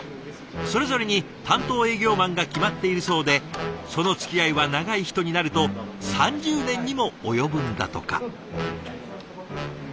それぞれに担当営業マンが決まっているそうでそのつきあいは長い人になると３０年にも及ぶんだとか。